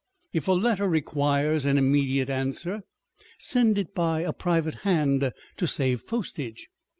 If a letter requires an immediate answer, send it by a private hand to save postage.